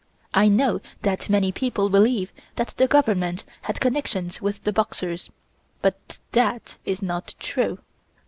I know that many people believe that the Government had connections with the Boxers, but that is not true.